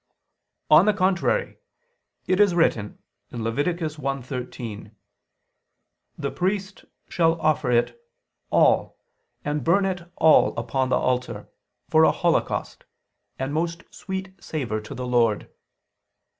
On the contrary, It is written (Lev. 1:13): "The priest shall offer it all and burn it all upon the altar, for a holocaust, and most sweet savor to the Lord."